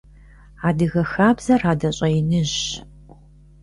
Адыгэ хабзэр адэ щӀэиныжьщ.